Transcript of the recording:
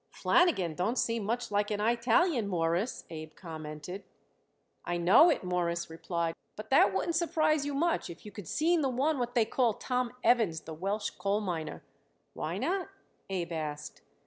"Flanagan don't seem much like an Eyetalian, Mawruss," Abe commented. "I know it," Morris replied; "but that wouldn't surprise you much if you could seen the one what they call Tom Evans, the Welsh coal miner." "Why not?" Abe asked.